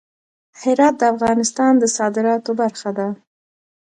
هرات د افغانستان د صادراتو برخه ده.